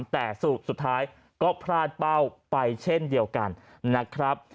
แต่สุดท้ายก็พลาดเป้าไปเช่นเดียวกันนะครับ